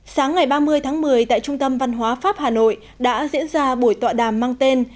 sáng ngày ba mươi tháng một mươi tại trung tâm văn hóa pháp hà nội đã diễn ra buổi tọa đàm mang tên